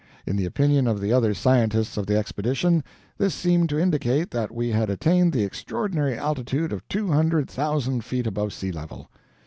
In the opinion of the other scientists of the Expedition, this seemed to indicate that we had attained the extraordinary altitude of two hundred thousand feet above sea level.